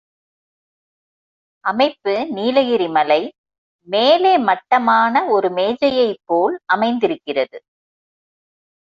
அமைப்பு நீலகிரி மலை, மேலே மட்டமான ஒரு மேசையைப் போல் அமைந்திருக்கிறது.